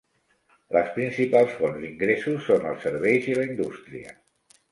Les principals fonts d'ingressos són els serveis i la indústria.